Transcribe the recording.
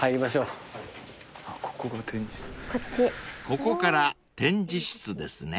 ［ここから展示室ですね］